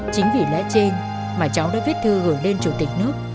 chính vì lẽ trên mà cháu đã viết thư gửi lên chủ tịch nước